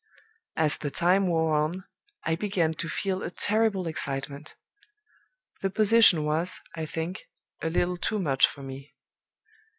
As the time wore on, I began to feel a terrible excitement; the position was, I think, a little too much for me.